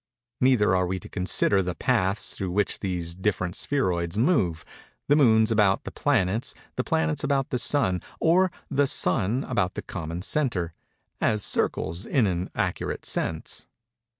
Neither are we to consider the paths through which these different spheroids move—the moons about the planets, the planets about the Sun, or the Sun about the common centre—as circles in an accurate sense.